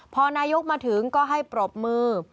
พอนายกมาถึงก็ให้ปรบมือ